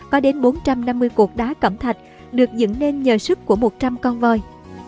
có đến bốn trăm năm mươi cuộc đá cẩm thạch được dựng nên nhờ sức của một trăm linh con voi